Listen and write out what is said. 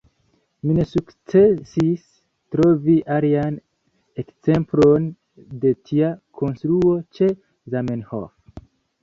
Mi ne sukcesis trovi alian ekzemplon de tia konstruo ĉe Zamenhof.